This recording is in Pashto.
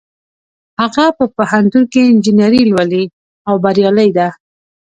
هغه په پوهنتون کې انجینري لولي او بریالۍ ده